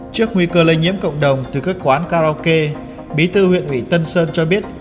trước nguy cơ lây nhiễm cộng đồng từ các quán karaoke bí thư huyện ủy tân sơn cho biết